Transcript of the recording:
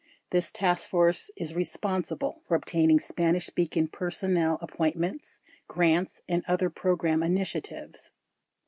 This task force is responsible ... for obtaining Spanish speaking personnel appointments, grants and other program initia tives.